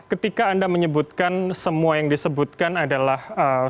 ketika anda menyebutkan semua yang disebutkan adalah